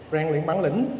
rèn luyện bản lĩnh